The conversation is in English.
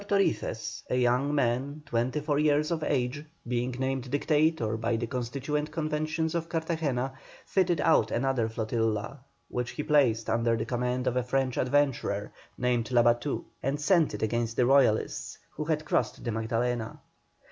Torices, a young man, twenty four years of age, being named Dictator by the Constituent Convention of Cartagena, fitted out another flotilla, which he placed under the command of a French adventurer named Labatut, and sent it against the Royalists, who had crossed the Magdalena.